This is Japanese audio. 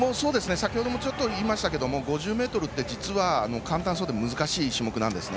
先ほどもちょっと言いましたが５０ｍって実は簡単そうで難しい種目なんですね。